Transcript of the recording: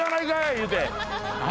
言うて。